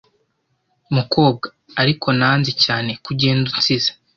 Mukobwa, ariko nanze cyane ko ugenda unsize